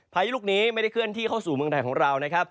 พายุลูกนี้ไม่ได้เคลื่อนที่เข้าสู่เมืองไทยของเรานะครับ